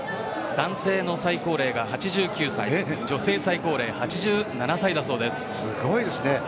男性の最高齢は８９歳女性の最高齢は８７歳だそうです。